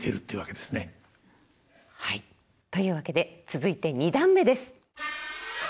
というわけで続いて二段目です。